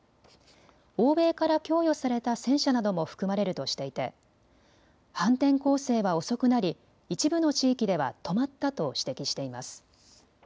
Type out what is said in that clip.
欧米から供与された戦車なども含まれるとしていて反転攻勢は遅くなり一部の地域では止まったと指摘しています。